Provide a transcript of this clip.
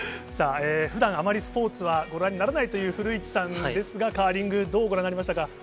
さあ、ふだんあまりスポーツはご覧にならないという古市さんですが、カーリング、どうご覧になりましたか。